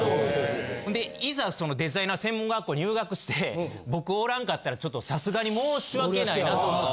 ほんでいざそのデザイナー専門学校に入学して僕おらんかったらちょっとさすがに申し訳ないなと思って。